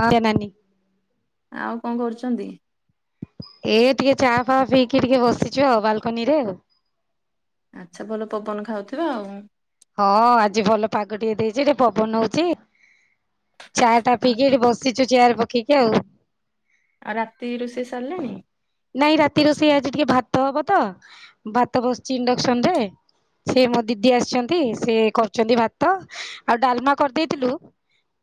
ଅ ଏ ନାନି। ଆଉ କଣ କରୁଛନ୍ତି? ଏ ଟିକେ ଚାହା ଫାହା ପିଇକି ଟିକେ ବସିଛୁ ଆଉ ବାଲ୍କୁନିରେ ଆଉ। ଆଚ୍ଛା ଭଲ ପବନ ଖାଉଥଥିବେ ଆଉ। ହଁ ଆଜି ଭଲ ପାଗ ଟିକେ ଦେଇଛି ରେ ପବନ ହଉଛି। ଚା ଟା ଆ- ପିଇକି ଏଠି ବସିଛୁ ଚେୟାର ପକେଇକି ଆଉ। ଆଉ ରାତି ରୁଷେଇ ସାରିଲେଣି? ନାଇଁ ରାତି ରୋସେଇ ଆଜି ଟିକେ ଭାତ ହବ ତ ଭାତ ବସିଛି ଇଣ୍ଡକ୍ସନ ରେ। ସେ ମୋ ଦିଦି ଆସିଛନ୍ତି ସେ କରୁଛନ୍ତି ଭାତ ଆଉ ଡାଲମା କରିଦେଇଥିଲୁ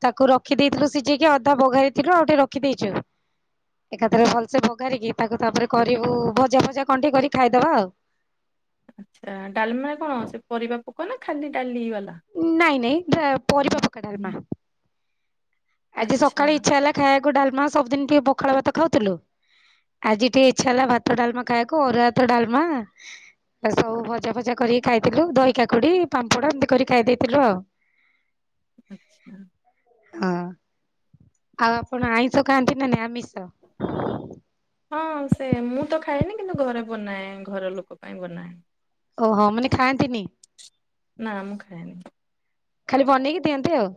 ତାକୁ ରଖି ଦେଇେଇଥିଲୁ ସିଝେଇକି ଅଧା ବଘାରିଥିଲୁ ଆଉଠି ରଖିଦେଇଛୁ ଏକାଥରେ ଭଲ। ସେ ଭଗାରିକି ତାକୁ ତାପରେ କରିବୁ ଭଜା ଭଜା କଣ ଟିକେ କରି ଖାଇଦବା ଆଉ। ଆଚ୍ଛା ଡାଲମା କଣ ସେ ପରିବା ପୋକ ନା ଖାଲି ଡାଲି ବାଲା। ନାଇଁ ନାଇଁ ଡା ପରିବା ପକା ଡାଲମା। ଆଜି ଆଚ୍ଛା ସକାଳେ ଇଚ୍ଛା ହେଲା ଖାଇବାକୁ ଡାଲମା ସବୁଦିନ ଟିକେ ପଖାଳ ଭାତ ଖାଉଥିଲୁ। ଆଜି ଟିକେ ଇଚ୍ଛା ହେଲା ଭାତ ଡାଲମା ଖାଇବାକୁ ଅରୁଆ ଭାତ ଡାଲମା। ସବୁ ଭଜା ଭଜା କରିକି ଖାଇଥିଲୁ ଦହି କାକୁଡି ପାମ୍ପଡା ଏମିତି କରି ଖାଇ ଦେଇଥିଲୁ ଆଉ ଆଛା। ହଁ। ଆଉ ଆପଣ ଆଇିଷ ଖାଆନ୍ତି ନା ନ ଆମିଷ ହଁ ସେ ମୁଁ ତ ଖାଏନି କିନ୍ତୁ ଘରେ ବନାଏ ଘର ଲୋକ ପାଇଁ ବନାଏ। ଓହୋ ମାନେ ଖାଆନ୍ତିନି। ନା ମୁ ଖାଇନି। ଖାଲି ବନେଇକି ଦିଅନ୍ତି ଆଉ?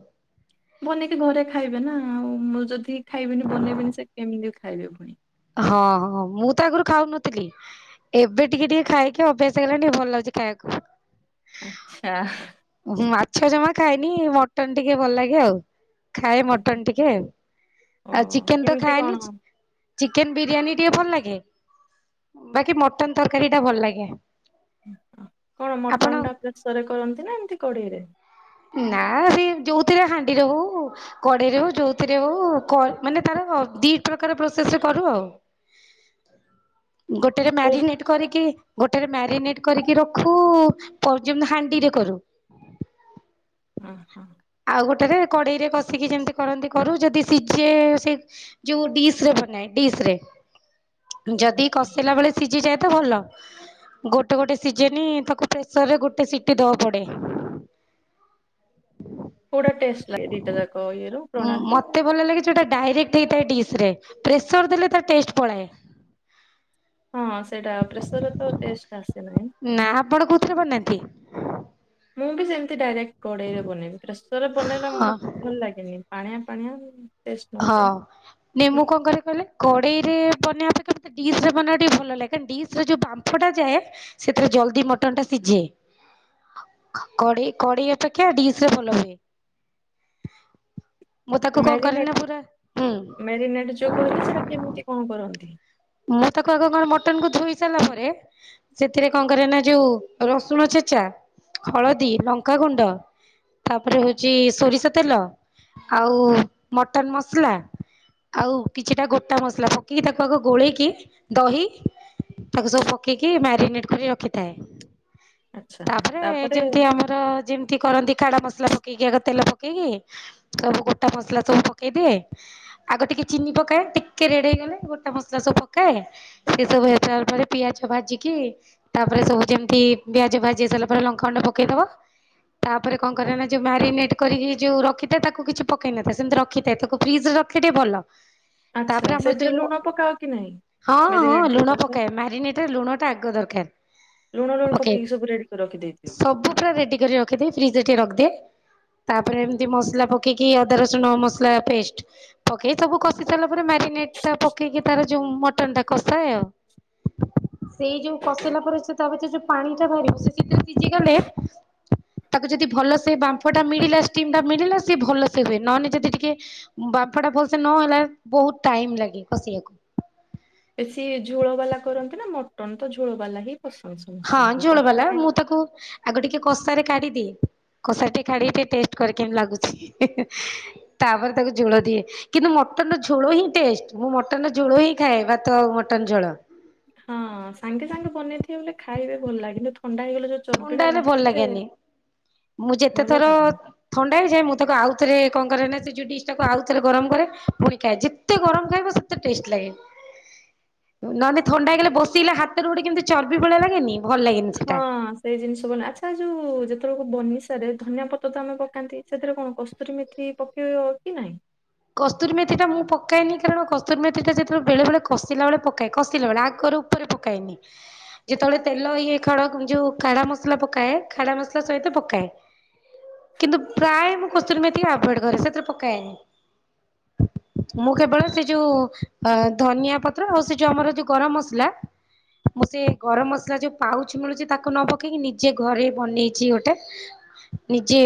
ବନେଇକି ଘରେ ଖାଇବେ ନା ଆଉ ମୁଁ ଯଦି ଖାଇବିନି ବନେଇବିନି ସେ କେମିତି ଖାଇବେ ପୁଣି। ହଁ ହଁ ମୁଁ ତ ଆଗରୁ ଖାଉନଥିଲି। ଏବେ ଟିକେ ଟିକେ ଖାଇକି ଅଭ୍ୟାସ କଲାଣି ଭଲ ଲାଗୁଛି ଖାଇବାକୁ। ଆଛା। ମାଛ ଜମା ଖାଇନି ମଟନ ଟିକେ ଭଲ ଲାଗେ ଆଉ। ଖାଏ ମଟନ ଟିକେ ଆ ଓ ଆଉ ଚିକେନ ତ କେମିତି କଣ? ଖାଏନି। ଚିକେନ ବିରିୟାନୀ ଟିକେ ଭଲ ଲାଗେ ବାକି ମଟନ ତରକାରୀ ଟା ଭଲ ଲାଗେ। କଣ ଆପଣ ମଟନ୍ ଟା ପ୍ରେସରେ କରନ୍ତି ନା ଏମିତି କଡ଼େଇରେ? ନା ସେ ଯୋଉଥିରେ ହାଣ୍ଡିର ହଉ। କଡେଇରେ ହଉ ଯଉଥିରେ ହଉ ମାନେ ତାର ଦି ପ୍ରକାର ପ୍ରୋସେସରେ କରୁ ଆଉ। ଗୋଟେ ଗୋଟରେ ଓହୋ ମ୍ୟାରିନେଟ୍ କରିକି ଗୋଟେରେ ମ୍ୟାରିନେଟ କରିକି ରଖୁ ପ ହାଣ୍ଡିରେ କରୁ ହଁ ହଁ। ଆଉ ଗୋଟେରେ କଡେଇ ରେ କଷିକି ଯେମିତି କରନ୍ତି କରୁ ଯଦି ସିଝେ ସେ ଯଉ ଡିସ ରେ ବନାଏ ଡିସରେ ଯଦି ଆଚ୍ଛା। କଷେଇଲା ବେଳେ ସିଝିଯାଏ ତ ଭଲ ଗୋଟେ ଗୋଟେ ସିଝେନି ତାକୁ ପ୍ରେସରରେ ଗୋଟେ ସିଟି ଦେବା ପଡ଼େ। କୁଟା ଟେଷ୍ଟ ଲାଗେ ଦିଟା ଯାକ ଇଏରୁ ଜଣାନ୍ତୂ। ମୋତେ ଭଲ ଲାଗେ ଯେଉଁଟା ଡାଇରେକ୍ଟ ହେଇଥାଏ ଡିସ୍ରରେ ପ୍ରେସର ଦେଲେ ତା ଟେଷ୍ଟ ପଳାଏ। ହଁ ସେଇଟା ପ୍ରେସର ର ତ ଟେଷ୍ଟ ଆସେନାହି। ନା ଆପଣ କୋଉଥିରେ ବନାନ୍ତି? ମୁଁ ବି ସେମିତି ଡାଇରେକ୍ଟ କଡ଼େଇରେ ବନେଇବି ପ୍ରେସରରେ ବନେଇଲେ ହଁ ମତେ ଭଲ ଲାଗେନି ପାଣିଆ ପାଣିଆ। ଟେଷ୍ଟ ହଁ। ନଥାଏ ନେ ମୁ କଣ କ କହିଲେ କଡେଇରେ ବନେଇବାପେକ୍ଷା ମତେ ଡିସରେ ବନେଇବା ଟିକେ ଭଲ ଲାଗେ କ ଡିସ ରେ ଯୋଉ ବା ମ୍ଫଟା ଯାଏ ସେଥିରେ ଜଲ୍ଦି ମଟନଟା ସିଝେ। କ କଡେଇ ଅପେକ୍ଷା ଡିସରେ ଭଲ ହୁଏ। ମୁଁ ତାକୁ କଣ ମ୍ୟାରିନେଟ କରେନା ବହୁତ୍ ମ୍ୟାରିନେଟ ଯୋଉ କହିଲେ ସେଟା କେମିତି କଣ କରନ୍ତି? ମୁଁ ତାକୁ ଆଗ କଣ ମଟନକୁ ଧୋଇ ସାରିଲା ପରେ ସେଥିରେ କଣ କରେ ନା ଯୋଉ ରସୁଣ ଛେଚା ହଳଦୀ ଲଙ୍କାଗୁଣ୍ଡ। ତାପରେ ହଉଛି ସୋରିଷ ତେଲ ଆଉ ମଟନ ମସଲା। ଆଉ କିଛିଟା ଗୋଟା ମସଲା ପକେଇକି ତାକୁ ଆଗ ଗୋଳେଇକି ଦହି ତାକୁ ସବୁ ପକେଇକି ମ୍ୟାରିନେଟ୍ କରି ରଖିଥାଏ। ତାପରେ ଯେମିତି ଆମ ଯେମିତି କରନ୍ତି କାଡା ମସଲା ପକେଇକି ଆଗ ତେଲ ପକେଇକି ସବୁ ଗୋଟା ମସଲା ସବୁ ପକେଇଦିଏ। ଆଗ ଟିକେ ଚିନି ପକାଏ ଟିକେ ରେଡ ହେଇଗଲେ ଗୋଟେ ମସଲା ସବୁ ପ କାଇଁ ଏ ସେ ସବୁ ହେଲାପରେ ପିଆଜ ଭାଜିିକି ତାପରେ ସବୁ ଯେମିତି ପିଆଜ ଭାଜି ସାରିଲା ପରେ ଲଙ୍କାଗୁଣ୍ଡ ପକେଇଦବ। ତାପରେ କଣ କରେ ନା ଯୋଉ ମ୍ୟାରିନେଟ୍ କରିକି ଯୋଉ ରଖିଥାଏ, ତାକୁ କିଛି ପକେଇନଥାଏ ସେମିତି ରଖିଥାଏ ତାକୁ ଫ୍ରିଜରେ ର ଖିଲେ ଟିକେ ଭଲ। ଆଚ୍ଛା ସେଥିରେ ଲୁଣ ପକାଅ କି ନାହିଁ? ହଁ-ହଁ ମ୍ୟାରିନେଟ ଯୋଉ ଲୁଣ କରିବ ପକାଏ ମ୍ୟାରିନେଟର ଲୁଣ ଟା ଆଗ ଦରକାର। ଲୁଣ-ଲୁଣ ପକେଇ ପକେଇକି ସବୁ ରେଡି କରି ରଖି ଦେଇ ସବୁ ପୁରା ରେଡି କରି ରଖିଦିଏ ଫ୍ରିଜରେ ରଖିଦିଏ। ତାପରେ ଏମିତି ମସଲା ପକେଇକି ଅଦା ରସୁଣ ମସଲା ପେଷ୍ଟ ପକେଇ ସବୁ କଷି ସାରିଲା ପରେ ମ୍ୟରିନେଟ୍ ଟା ପକେଇକି ତାର ଯୋଉ ମଟନଟା କସାଏ ଆଉ ସେଇ ଯୋଉ କଷେଇଲା ପରେ ସେ ତା ଭିତରେ ଯୋଉ ପାଣିଟା ବାହାରିବ ସେ ସେଥିରେ ସିଝି ଗଲେ ତାକୁ ଯଦି ଭଲସେ ସେ ବାମ୍ପଟା ମିଳିଲା ଷ୍ଟିମଟା ମିଳିଲା ସିଏ ଭଲ ସେ ହୁଏ, ନହେନେ ଯଦି ଟିକେ ବାମ୍ଫଟା ଭଲସେ ନହେଲା ବହୁତ୍ ଟାଇମ୍ ଲାଗେ କସିଆକୁ। ବେଶୀ ଝୋଳବାଲା କରନ୍ତି ନା ମଟନ୍ ତ ଝୋଳବାଲା ହି ପସନ୍ଦ ସବୁ। ହଁ ଝୋଳବାଲା ମୁଁ ତାକୁ ଆଗ ଟିକେ କଷାରେ କାଢିଦିଏ କଷାରେ ଟିକେ କାଢିକି ଟିକେ ଟେଷ୍ଟ କରେ କେମତି ଲାଗୁଚି? ତାପରେ ତାକୁ ଝୋଳ ଦିଏ। କିନ୍ତୁ ମଟନ୍ ର ଝୋଳ ହିଁ ଟେଷ୍ଟ ମୁଁ ମଟନ୍ ର ଝୋଳ ହିଁ ଖାଏ ଭାତ ଆଉ ମଟନ ଝୋଳ। ହଁ ସାଙ୍ଗେ ସାଙ୍ଗେ ବନେଇଥିବ ବୋଲେ ଖାଇବେ ଭଲ ଲାଗେ, କିନ୍ତୁ ଥଣ୍ଡା ହେଇଗଲେ ଯଦି ଥଣ୍ଡା ହେଲେ ଭଲ ଲାଗେନି ମୁଁ ଯେତେ ଭଲ ଥର ଲାଗେନି। ଥଣ୍ଡା ହେଇଯାଏ ମୁଁ ତାକୁ ଆଉଥରେ କଣ କରେ ନା ସେ ଯଉ ଡିସଟାକୁ ଆଉଥରେ ଗରମ କରେ ଫୁଣି ଖାଏ, ଯେ ଯେତେ ଗରମ୍ ଖାଇବ ସେତେ ଟେଷ୍ଟ ଲାଗେ। ନହେଲେ ଥଣ୍ଡା ହେଇଗଲେ ବସିଲେ ହାତରେ କେମିତି ଗୋଟେ ଚର୍ବି ଭଳିଆ ଲାଗେନି? ଭଲ ଲାଗେନି ହଁ। ସେଟା। ସେଇ ଜିନିଷ ବନା ଆଚ୍ଛା ଯୋଉ ଯେତେବଳକୁ ବନିସାରେ ଧନିଆ ପତ୍ର ତ ଆମେ ପକାନ୍ତି ସେଥିରେ କଣ କସ୍ତୁରୀ ମେଥି ପ ପକେଇବ କି ନାଇଁ? କସ୍ତୁରି ମେଥିଟା ମୁଁ ପକାଏନି କାରଣ କସ୍ତୁରି ମେଥିଟା ଯେତେବେଳେ ବେଳେବେଳେ କଷିଲା ବଳେ ପକାଏ କଷିଲା ବେଳେ ଆଗରୁ ଉପରେ ପକାଏନି। ଯେତେବେଳେ ତେଲ ଇଏ ଖାଡ଼ା ଯୋଉ ଖାଡ଼ା ମସଲା ପକାଏ ଖାଡ଼ା ମସଲା ସହିତ ପକାଏ। କିନ୍ତୁ ପ୍ରାୟ ମୁଁ କସ୍ତୁରି ମେଥିକି ଆଭଏଡ୍ କରେ ସେଥିରେ ପକାଏନି। ମୁଁ କେବଳ ସେ ଯୋଉ ଧନିଆ ପତ୍ର ଆଉ ସେ ଯୋଉ ଆମର ଯୋଉ ଗରମ ମସଲା ମୁଁ ସେ ଗରମ ମସଲା ଯୋଉ ପାଉଚ୍ ମିଳୁଚି ତାକୁ ନ ପକେଇକି ନିଜେ ଘରେ ବନେଇଚି ଗୋଟେ। ନିଜେ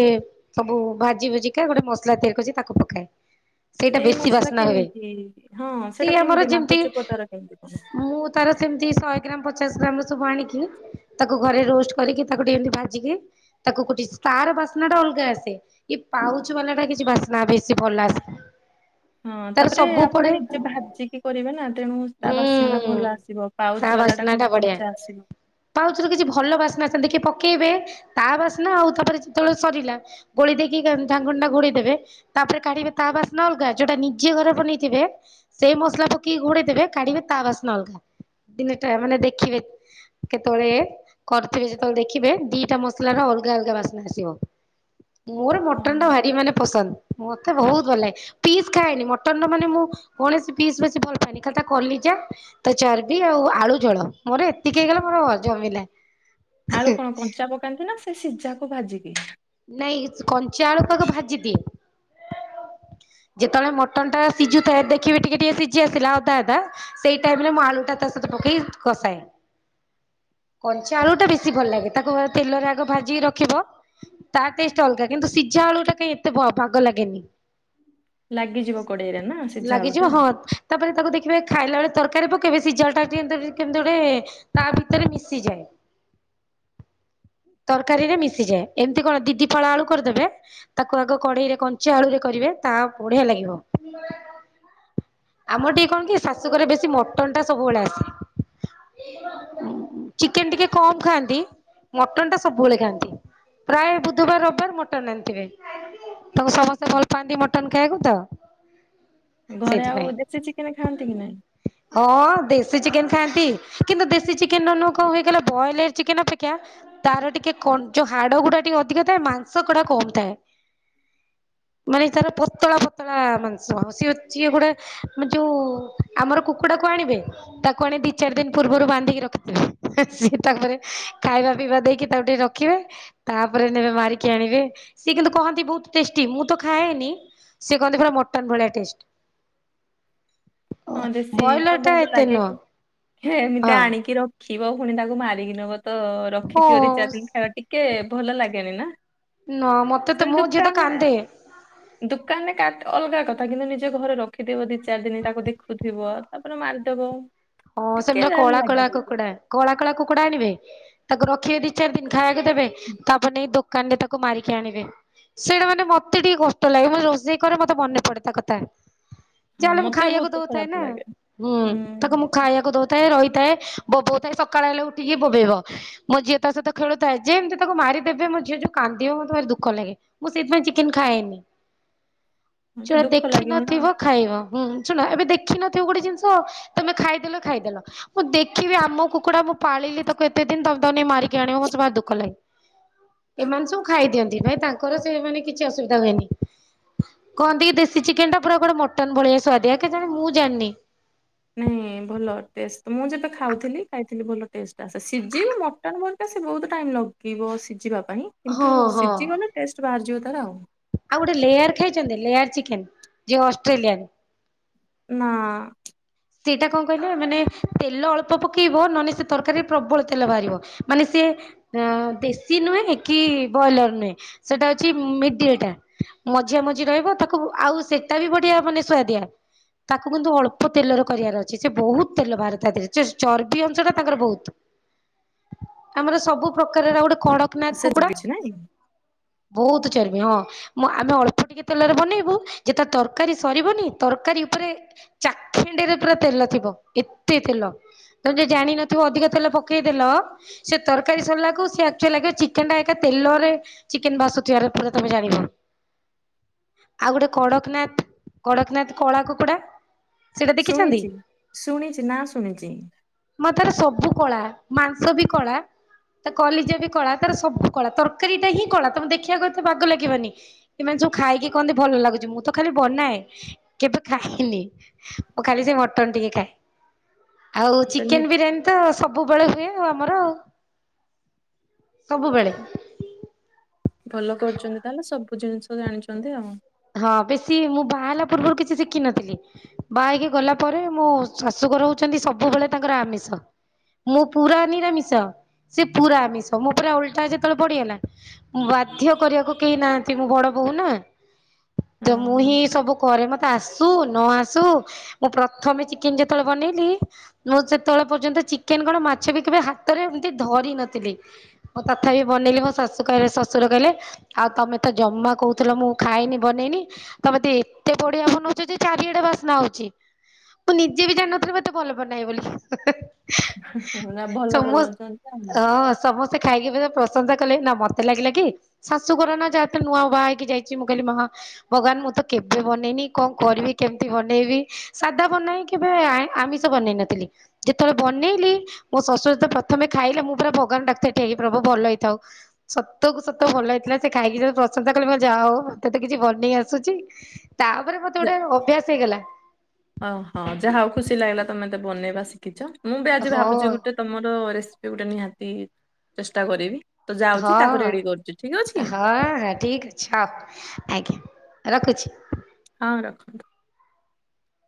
ସବୁ ଭାଜି ଭୁଜିିକା ଗୋଟେ ମସଲା ତିଆରି କରିଚି ତାକୁ ପକାଏ। ସେଇଟା ସେଇ ବେଶୀ ମସଲା ବାସ୍ନା ହୁଏ, କେମିତି ହଁ ସେ ସେଟା ଆମର କେମିତି ଯେମିତି ମାପଚୁପ ତାର କେମିତି କଣ? ମୁଁ ତାର ସେମିତି ଶହେ ଗ୍ରାମ୍ ପଚାଶ ଗ୍ରାମ୍ ର ସବୁ ଆଣିକି ତାକୁ ଘରେ ରୋଷ୍ଟ କରିକି ତାକୁ ଟିକେ ଏମତି ଭାଜିକି ତାକୁ କୋଟି ତାର ବାସ୍ନା ଟା ଅଲଗା ଆସେ ଏ ପାଉଚ୍ ବାଲା ଟା କିଛି ବାସ୍ନା ବେଶୀ ଭଲ ଆସେନି। ହଁ ତାପରେ ଆପଣ ନିଜେ ଭାଜିକି କରିବେ ନା ତେଣୁ ତା ହୁଁ ବାସ୍ନାଟା ଭଲ ଆସିବ ପାଉଚ୍ ବାଲା ଟା କଣ କଞ୍ଚା ଆସିବ। ପାଉଚ୍ ର କିଛି ଭଲ ବାସ୍ନା ସେମିତି କି ପକେଇବେ ତା ବାସ୍ନା ଆଉ ତାପରେ ଯେତେବେଳେ ସରିଲା ଗୋଳେଇ ଦେଇକି ଢାଙ୍କୁଣିଟା ଘୋଡେଇ ଦେବେ ତାପରେ କାଢିବେ ତା ବାସ୍ ବାସ୍ନା ଅଲଗା ଯୋଉଟା ନିଜେ ଘରେ ବନେଇଥିବେ ସେଇ ମସଲା ପକେଇକି ଘୋଡେଇ ଦେବେ କାଢିବେ ତା ବାସ୍ନା ଅଲଗା। ଦିନେଟା ମାନେ ଦେଖିବେ କେତେବେଳେ? କରିଥିବେ ଯେତେବେଳେ ଦେଖିବେ ଦିଟା ମସଲାର ଅଲଗା ଅଲଗା ବାସ୍ନା ଆସିବ। ମୋର ହଁ ମଟନ୍ ଟା ଭାରି ମାନେ ପସନ୍ଦ ମତେ ବହୁତ ଭଲ ଲାଗେ ପିସ ଖାଏନି ମ ମାନେ ମୁଁ କୌଣସି ପିସ୍ ବେଶ ଭଲ ପାଏନି ଖାଲି କଲିଜା ତ ଚର୍ବି ଆଉ ଆଳୁ ଯୋଳ ମୋର ଏତିକି ହେଇଗଲା ମୋର ଜମିଲା। ଆଳୁ କଣ କଞ୍ଚା ପକାନ୍ତି ନା ସେ ସିଝା କୁ ଭାଜିକି? ନାଇଁ କଞ୍ଚା ଆଳୁ ତାକୁ ଭାଜିଦିଏ। ଯେତେବେଳେ ମଟନ ଟା ସିଝୁଥାଏ ଦେଖିବି ଟିକେ ଟିକେ ସିଝି ଆସିଲା ଅଧା ଅଧା। ସେଇ ଟାଇମରେ ମୁଁ ଆଳୁଟା ତା ସହିତ ପକେଇ କଷାଏ। କଞ୍ଚା ଆଳୁ ଟା ବେଶୀ ଭଲ ଲାଗେ ତାକୁ ତେଲରେ ଆଗ ଭାଜିକି ରଖିବ। ତା ଟେଷ୍ଟ ଅଲଗା କିନ୍ତୁ ସିଝା ଆଳୁ ଟା କାଇହିଁ ଏତେ ଭାଗ ଲାଗେନି। ଲାଗିଯିବ କଡେଇରେ ନା ଲାଗିଯିବ ସିଝାଆଳୁଟା। ହଁ ତାପରେ ତାକୁ ଦେଖିବେ ଖାଇଲା ବେଳେ ତରକାରୀ ପକେଇବେ ସିଝା ଆଳୁଟା କେମିତି ଗୋଟେ ତା ଭିତରେ ମିଶିଯାଏ। ତରକାରୀରେ ମିଶିଯାଏ ଏମିତି କଣ ଦି ଦିଫାଳ ଆଳୁ କରିଦେବେ? ତାକୁ ଆଗ କଢେଇରେ କଞ୍ଚା ଆଳୁରେ କରିବେ ତାହା ବଢିଆ ଲାଗିବ। ଆମର ଟିକେ କଣ କି ଶାଶୁଘରେ ବେଶୀ ମଟନ ଟା ସବୁବେଳେ ଆସେ। ଚିକେନ ଟିକେ କମ ଖାଆନ୍ତି ମଟନ ଟା ସବୁବେଳେ ଖାଆନ୍ତି। ପ୍ରାୟ ବୁଧବାର ରବିବାର ମଟନ ଆଣିଥିବେ ତାକୁ ସମସ୍ତେ ଭଲ ପାଆନ୍ତି ମଟନ ଖାଇବାକୁ ତ ଘରେ ସେଇଥିପାଇଁ। ଆଉ ଦେଶୀ ଚିକେନ ଖାଆନ୍ତି ନି ନା। ହଁ ଦେଶୀ ଚିକେନ ଖାଆନ୍ତି କିନ୍ତୁ ଦେଶୀ ଚିକେନ ର ନୁହଁ କଣ ହେଇଗଲା ବଏଲର ଚିକେନ ଅପେକ୍ଷା ତାର ଟିକେ ଯୋଉ ହାଡ ଗୁଡା ଟିକେ ଅଧିକ ଏ ମାଂସ ଗୁଡା କମ ଥାଏ। ମାନେ ତାର ପତଳା ପତଳା-ଆ-ଆ ମାନ ସ ସିଏ ଯିଏ ଗୋଟେ ଯୋଉ ଆମର କୁକୁଡ଼ାକୁ ଆଣିବେ ତାକୁ ଆଣେ ଦି ଚାରି ଦିନ ପୂର୍ବରୁ ବାନ୍ଧିକି ରଖିଥିବେ ସିଏ ତାପରେ ଖାଇବା ପିଇବା ଦେଇକି ତାକୁ ଟିକେ ରଖ୍ ରଖିବେ ତାପରେ ନେବେ ମାରିକି ଆଣିବେ ସିଏ କିନ୍ତୁ କହନ୍ତି ବହୁତ ଟେଷ୍ଟି ମୁଁ ତ ଖାଏନି। ସେ କହନ୍ତି ପୁରା ମଟନ୍ ଭଳିଆ ଟେଷ୍ଟ। ହଁ ଦେଶୀ ତ ବ୍ରଏଲର ଟା ଭଲ ଏତେ ଲାଗେ ନୁହଁ କି ଏମିତି ହଁ ଆଣିକି ରଖ ଖିବ ପୁଣି ତାକୁ ମାରିକି ନବ ତ-ଅ-ଅ ହଁ ରଖିଥିବ ଦି ଚା ଦିନ ଖାଇବା ଟିକେ-ଏ-ଏ ଭଲ ଲାଗେନି ନା। ନା ମତେ ତ ସେମିତି ମୋ ଝିଅ ତ ଦୋକାନରେ କାନ୍ଦେ। ଦୋକାନରେ କାଟ୍ ଅଲଗା କଥା କିନ୍ତୁ ନିଜ ଘରେ ରଖିଦବ ଦି ଚାରି ଦିନ ତାକୁ ଦେଖ ଥିବ ତାପରେ ମାରିଦବ। ହଁ ଟିକେ ସେମିତି ଯାହାହେଲେ କଳା କଳା ଲାଗିବ। ବି। କୁକୁଡା କଳା କଳା କୁକୁଡା ଆଣିବେ ତାକୁ ରଖିବେ ଦି ଚାରି ଦିନ ଖାଇବା ଦେବେ ତାପରେ ନେଇ ଦୋକାନ ରେ ତାକୁ ମାରିକି ଆଣିବେ। ସେଇଟା ମାନେ ମତେ ଟିକେ କଷ୍ଟ ଲାଗେ ମୁଁ ରୋଷେଇ କରେ ମତେ ମନେ ପଡେ ତା କଥା। ଯାହା ହଁ ହେଲେ ମୁଁ ମତେ ବି ଖାଇବାକୁ ବହୁତ ଦଉଥାଏ ଖରାପ ନା ଲାଗେ ହୁଁ ତାକୁ ମୁଁ ଖାଇବାକୁ ଦଉଥାଏ ରହିଥାଏ ବୋବଉ ଥାଏ ସକାଳ ହେଲେ ଉଠିକି ବୋବେଇବ। ମୋ ଝିଅ ତା ସହିତ ଖେଳୁଥାଏ ଯେମିତି ତାକୁ ମାରି ଦେବେ ମୋ ଝିଅ ଯୋଉ କାନ୍ଦିବ ମତେ ଭାରି ଦୁଃଖ ଲାଗେ। ମୁଁ ସେଥିପାଇ ଚିକେନ ଖାଏନି। ମତେ ଯୋଉଟା ଦୁଃଖ ଲାଗିବ ନା। ଦେଖିନଥିବ ଖାଇବ ହୁଁ ଶୁଣ ଏବେ ଦେଖିନଥିବ ଗୋଟେ ଜିନିଷ ତମେ ଖାଇଦେଲ ଖାଇଦେଲ। ମୁଁ ଦେଖିବି ଆମ କୁକୁଡା ମୁଁ ପାଳିଲି ତାକୁ ଏତେ ଦିନ ତଦ ମାରିକି ଆଣିବ ମତେ ଭାରି ଦୁଃଖ ଲାଗେ। ଏମାନେ ସବୁ ଖାଇ ଦିଅନ୍ତି ଭାଇ ତାଙ୍କର ସେଇମାନେ କିଛି ଅସୁବିଧା ହୁଏନି। କହନ୍ତି କି ଦେଶୀ ଚିକେନ ଟା ପୁରା କୁଆଡେ ମଟନ୍ ଭଳିଆ ସୁଆଦିଆ କେଜାଣି ମୁଁ ଜାଣିନି। ନାଇଁ ଭଲ ଟେଷ୍ଟ ମୁଁ ଯେବେ ଖାଉଥିଲି ଖାଇଥିଲି ଭଲ ଟେଷ୍ଟ ଆସେ ସିଝିବ ମ ଟନ ଗୋଟେ ସେ ବହୁତ ଟାଇମ୍ ଲାଗିବ ସିଝିବା ପାଇଁ ହଁ କିନ୍ତୁ ହଁ ସିଝିଗଲେ ଟେଷ୍ଟ ବାହାରିଯିବ ତାର ଆଉ। ଆଉ ଗୋଟେ ଲେୟାର ଖାଇଛନ୍ତି ଲେୟାର ଚିକେନ ଯିଏ ଅଷ୍ଟ୍ରେଲିଆନ୍? ନା-ଆ-ଆ। ସେଇଟା କଣ କହିଲ ମାନେ ତେଲ ଅଳ୍ପ ପକେଇବ ନହେଲେ ସେ ତରକାରୀରେ ପ୍ରବଳ ତେଲ ବାହାରିବ। ମାନେ ସିଏ ଆ-ଆ-ଆ ଦେଶୀ ନୁହେଁ କି ବ୍ରଏଲର ନୁହେଁ ସେଟା ହଉଛି ମିଡିଏଟା। ମଝିଆ ମଝି ରହିବ ତାକୁ ଆଉ ସେଟା ବି ବଢିଆ ମାନେ ସୁଆଦିଆ। ତାକୁ କିନ୍ତୁ ଅଳ୍ପ ତେଲରେ କରିବାର ଅଛି ସେ ବହୁତ ତେଲ ବାହାରେ ତା ଦେହରେ ଚର୍ବି ଅଂଶ ଟା ତାଙ୍କର ବହୁତ। ଆମର ସବୁ ପ୍ରକାରର ଗୋଟେ କଡ଼କନାଥ ସେ କୁକୁଡା କିଛି ନାଇଁ ବହୁତ ଚର୍ବି ହଁ। ମୁଁ ଆମେ ଅଳ୍ପ ଟିକେ ତେଲରେ ବନେଇବୁ ଯେତେବେଳେ ତରକାରୀ ସରିବନି ତରକାରୀ ଉପରେ ଚାଖିଣ୍ଡିରେ ପୁରା ତେଲ ଥିବ ଏତେ ତେଲ। ତମେ ଯେ ଜାଣିନଥିବ ଅଧିକ ତେଲ ପକେଇଦେଲ ସେ ତରକାରୀ ସରିଲାକୁ ସେ ଆକଚୁଲି ଲାଗିବ ଚିକେନ ଟା ଏକା ତେଲରେ ଚିକେନ୍ ଭାସୁଥିବାର ପରେ ତମେ ଜାଣିବ। ଆଉ ଗୋଟେ କଡ଼କନାଥ କଡ଼କନାଥ କଳା କୁକୁଡା। ସେଟା ଶୁଣିଛି ଶୁଣିଛି ନା ଶୁଣିଛି। ମା ତାର ସବୁ କଳା ମାଂସ ବି କଳା। ତା କଲିଜା ବି କଳା ତାର ସବୁ କଳା ତରକାରୀ ଟା ହିଁ କଳା ତମେ ଦେଖିବାକୁ ଏତେ ବାଗ ଲାଗିବନି। ଏମାନେ ସବୁ ଖାଇକି କହନ୍ତି ଭଲ ଲାଗୁଛି ମୁଁ ତ ଖାଲି ବନାଏ କେବେ ଖାଇନି। ଓଁ ଖାଲି ସେ ମଟନ ଟିକେ ଖାଏ, ଆଉ ଚିକେନ ସେମି ବିରିୟାନୀ ତ ସବୁବେଳେ ହୁଏ ଆମର ସବୁବେଳେ। ଭଲ କରୁଛନ୍ତି ତାହେଲେ ସବୁ ଜିନିଷ ଜାଣିଛନ୍ତି ଆଉ। ହଁ ବେଶୀ ମୁଁ ବାହାହେଲା ହେଲା ପୂର୍ବରୁ କିଛି ଶିଖିନଥିଲି। ବାହା ହେଇକି ଗଲା ପରେ ମୋ ଶାଶୁଘର ହଉଛନ୍ତି ସବୁବେଳେ ତାଙ୍କର ଆମିଷ। ମଁ ପୁରା ନିରାମିଷ ସେ ପୁରା ଆମିଷ। ମୋ ପୁରା ଓଲଟା ଯେତେବେଳେ ପଡିିଗଲା ମୁଁ ବାଧ୍ୟ କରିବାକୁ କେହି ନାହାନ୍ତି ମୁଁ ବଡ ବୋହୁ ନା? ତ ମୁଁ ହିଁ ସବୁ କରେ ମତେ ଆସୁ ନ ଆସୁ। ମୁଁ ପ୍ରଥମେ ଚିକେନ ଯେତେବେଳେ ବନେଇଲି ମୁଁ ସେତେବେଳେ ପର୍ଯ୍ୟନ୍ତ ଚିକେନ କଣ ମାଛ ବି କେବେ ହାତରେ ଏମତି ଧରି ନଥିଲି। ମଁ ତଥାପି ବନେଇଲିି ମୋ ଶାଶୁ କହିଲେ ଶ୍ୱଶୁର କହିଲେ ଆଉ ତମେ ତ ଜମା କହୁଥିଲ ମୁଁ ଖାଇନି ବନେଇନି ତମତ ଏତେ ବଡିିଆ ବନଉଛ ଯେ ଚାରିଆଡେ ବାସ୍ନା ହଉଛି। ମୁଁ ନିଜେ ବି ଜାଣିନଥିଲି ମତେ ଭଲ ବନାଏ ବୋଲି। ନା ଭଲ ସମସ୍ତ ବନଉଛନ୍ତି ଆଉ। ହଁ ସମସ୍ତେ ଖାଇକି ପ୍ରଂଶସା କଲେ ନା ମତେ ଲାଗିଲା କି ଶାଶୁଘର ନା ଯାହାେରେ ନୂଆ ବା ହେଇିକି ଯାଇଛି ମୁଁ କାଲି ମାମା ଭଗବାନ ମୁଁ ତ କେବେ ବନେଇନି କଣ କରିବି କେମିତି ବନେଇବି। ସାଧା ବନାଏ କେବେ ଆମିଷ ବନେଇ ନଥିଲି? ଯେତେବେଳେ ବନେଇଲି ମୋ ଶଶୁର ତ ପ୍ରଥମେ ଖାଇଲେ ମୁଁ ପୁରା ଭଗବାନ ଡାକୁଥାଏ ହେଇ ପ୍ରଭୁ ଭଲ ହେଇଥାଉ। ସତ କୁ ସତ ଭଲ ହେଇଥିଲା ସେ ଖାଇକି ଯୋଉ ପ୍ରଶଂସା କଲେ ମୁକହିଲି ଯାହା ହଉ ମତେ ମତେ କିଛି ବନେଇ ଆସୁଛି ତାପରେ ମତେ ଗୋଟେ ଅଭ୍ୟାସ ହେଇଗଲା। ଓହଁ ଯାହା ହଉ ଖୁସି ଲାଗିଲା ତମେତେ ବନେଇବା ଶିଖିଛ। ମୁଁ ବି ଆଜି ଭାବୁଛି ଗୋଟେ ହଁ ତମର ରେସିପି ଗୋଟେ ନିହାତି ଚେଷ୍ଟା କରିବି। ତ ଯାଉଛି ତାକୁ ହଁ। ରେଡି କରୁଛି, ଠିକ ଅଛି? ହଁ ହଁ ଠିକ୍। ଛ ଆଜ୍ଞା, ରଖୁଛି? ହଁ ରଖନ୍ତୁ।